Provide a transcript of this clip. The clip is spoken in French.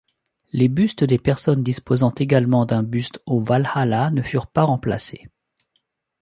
Les bustes des personnes disposant également d'un buste au Walhalla ne furent pas remplacés.